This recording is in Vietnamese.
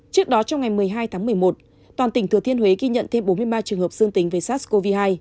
trước đó trong ngày một mươi hai tháng một mươi một toàn tỉnh thừa thiên huế ghi nhận thêm bốn mươi ba trường hợp dương tính với sars cov hai